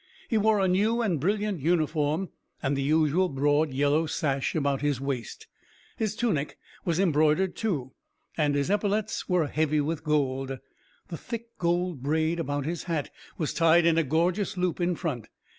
He wore a new and brilliant uniform and the usual broad yellow sash about his waist. His tunic was embroidered, too, and his epaulets were heavy with gold. The thick gold braid about his hat was tied in a gorgeous loop in front.